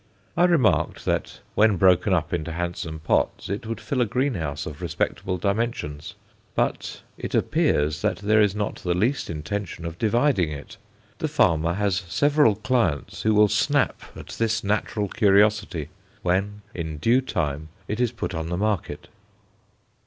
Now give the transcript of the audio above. I remarked that when broken up into handsome pots it would fill a greenhouse of respectable dimensions; but it appears that there is not the least intention of dividing it. The farmer has several clients who will snap at this natural curiosity, when, in due time, it is put on the market.